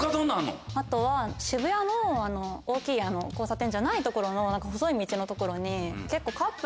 あとは渋谷の大きい交差点じゃない所の細い道の所に結構。